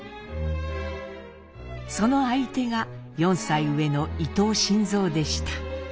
その相手が４歳上の伊藤新造でした。